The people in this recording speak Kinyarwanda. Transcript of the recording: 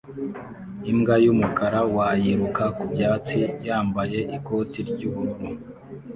Imbwa yumukara wa yiruka ku byatsi yambaye ikoti ry'ubururu